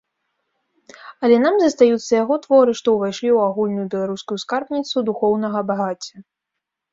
Але нам застаюцца яго творы, што ўвайшлі ў агульную беларускую скарбніцу духоўнага багацця.